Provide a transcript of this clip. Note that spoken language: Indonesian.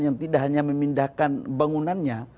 yang tidak hanya memindahkan bangunannya